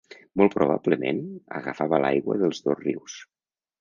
Molt probablement agafava l'aigua dels dos rius.